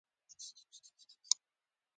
د هغو موادو امتحان کول اړین دي چې سړک ترې جوړیږي